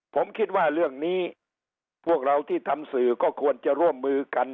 ผมคิดว่าเรื่องนี้พวกเราที่ทำสื่อก็ควรจะร่วมมือกัน